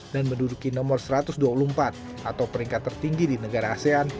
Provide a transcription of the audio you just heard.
dan menduduki nomor satu ratus dua puluh empat atau peringkat tertinggi di negara asean